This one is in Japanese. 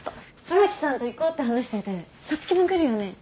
荒木さんと行こうって話してて皐月も来るよね？